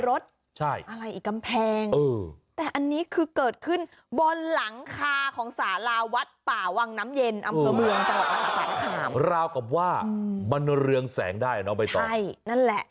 เรลี่ยงได้เอาไปต่อ